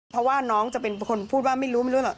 เพราะว่าน้องจะเป็นคนพูดว่าไม่รู้ไม่รู้หรอก